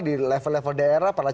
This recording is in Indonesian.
di level daerah